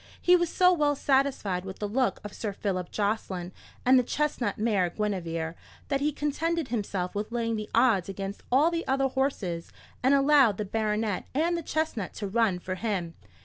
He was so well satisfied with the look of Sir Philip Jocelyn, and the chestnut mare Guinevere, that he contented himself with laying the odds against all the other horses, and allowed the baronet and the chestnut to run for him.